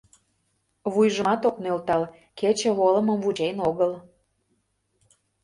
— Вуйжымат ок нӧлтал, кече волымым вучен огыл...